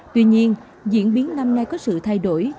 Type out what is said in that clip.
tuy nhiên diễn biến năm nay có sự thay đổi